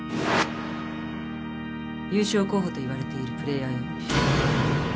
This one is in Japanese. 優勝候補といわれているプレーヤーよ。